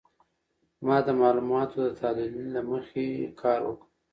ما د معلوماتو د تحلیلې له مخي کار وکړ.